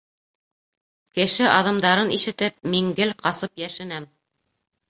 Кеше аҙымдарын ишетеп, мин гел ҡасып йәшенәм.